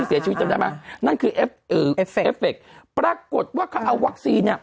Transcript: ที่เสียชีวิตจำได้ไหมนั่นคือเอฟเฟกต์ปรากฏว่าเขาเอาวัคซีน